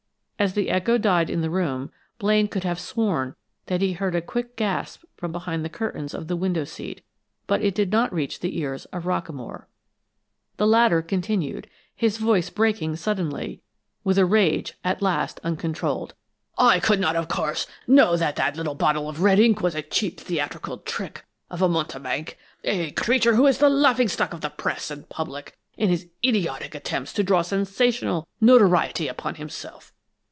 As its echo died in the room, Blaine could have sworn that he heard a quick gasp from behind the curtains of the window seat, but it did not reach the ears of Rockamore. The latter continued, his voice breaking suddenly, with a rage at last uncontrolled: "I could not, of course, know that that bottle of red ink was a cheap, theatrical trick of a mountebank, a creature who is the laughing stock of the press and the public, in his idiotic attempts to draw sensational notoriety upon himself.